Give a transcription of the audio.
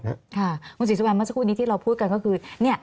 คุณศรีสุวรรณเมื่อสักครู่นี้ที่เราพูดกันก็คือ